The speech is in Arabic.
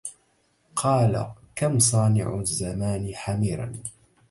قال كم صانع الزمان حميرا